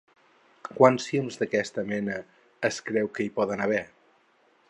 Quants films d'aquesta mena es creu que hi poden haver?